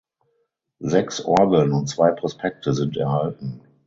Sechs Orgeln und zwei Prospekte sind erhalten.